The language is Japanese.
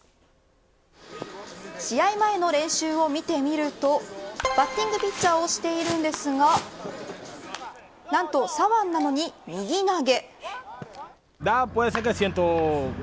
試合前の練習を見てみるとバッティングピッチャーをしているんですがなんと、左腕なのに右投げ。